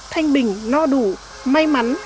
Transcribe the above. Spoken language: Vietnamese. thanh bình no đủ may mắn